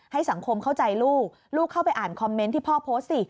ให้สังคมเข้าใจลูกลูกเข้าไปอ่านคอมเมนต์ที่พ่อโพสต์สิ